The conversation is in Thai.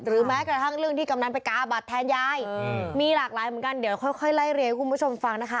แม้กระทั่งเรื่องที่กำนันไปกาบัตรแทนยายมีหลากหลายเหมือนกันเดี๋ยวค่อยไล่เรียงให้คุณผู้ชมฟังนะคะ